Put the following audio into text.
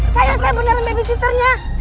saya beneran babysitternya